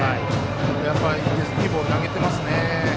やっぱり、いいボールを投げてますね。